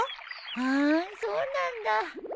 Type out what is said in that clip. ふんそうなんだ。